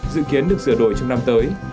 dự kiến được sửa đổi trong năm tới